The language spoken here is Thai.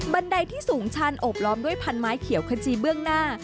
ไดที่สูงชันโอบล้อมด้วยพันไม้เขียวขจีเบื้องหน้า